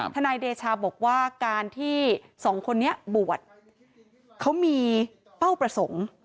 นายเดชาบอกว่าการที่สองคนนี้บวชเขามีเป้าประสงค์